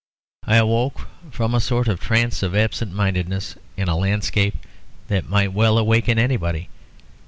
I awoke from a sort of trance of absentmindedness in a landscape that might well awaken anybody.